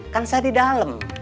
kan saya di dalam